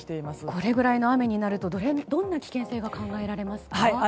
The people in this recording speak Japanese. これくらいの雨になるとどんな危険性が考えられますか？